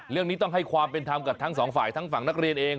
เรื่องนี้ต้องให้ความเป็นธรรมกับทั้งสองฝ่ายทั้งฝั่งนักเรียนเอง